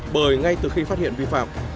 bởi ngay từ khi phát hiện vi phạm